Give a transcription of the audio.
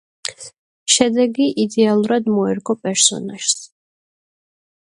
შედეგი იდეალურად მოერგო პერსონაჟს.